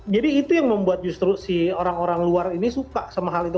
jadi itu yang membuat justru si orang orang luar ini suka sama hal itu